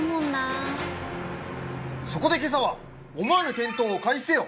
そこで今朝は思わぬ転倒を回避せよ！